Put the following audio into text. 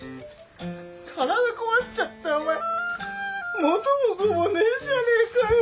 体壊しちゃったらお前元も子もねえじゃねえかよ。